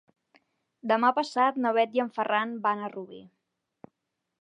Demà passat na Bet i en Ferran van a Rubí.